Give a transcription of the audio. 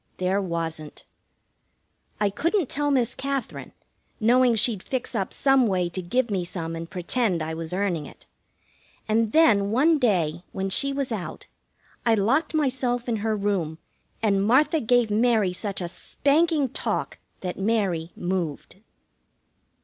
There wasn't. I couldn't tell Miss Katherine, knowing she'd fix up some way to give me some and pretend I was earning it; and then, one day, when she was out, I locked myself in her room, and Martha gave Mary such a spanking talk that Mary moved.